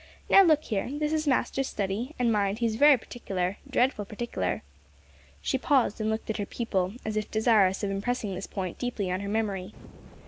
Now, look here. This is master's study, and mind, he's very partikler, dreadful partikler." She paused and looked at her pupil, as if desirous of impressing this point deeply on her memory.